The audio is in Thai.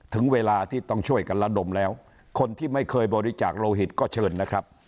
ถึงเวลาที่ต้องช่วยกันระดมแล้วคนที่ไม่เคยบริจาคโลหิตก็เชิญนะครับ